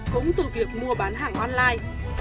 cũng từ việc mua bán hàng online